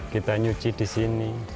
kita nyuci disini